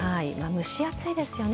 蒸し暑いですよね。